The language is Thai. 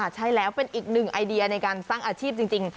ใช่แล้วเป็นอีกหนึ่งไอเดียในการสร้างอาชีพจริง